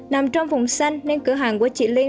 nằm trong vùng xanh nên cửa hàng của chị liên